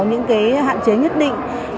những hạn chế nhất định